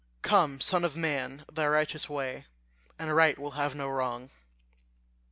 Come, son of man, thy righteous way, And right will have no wrong.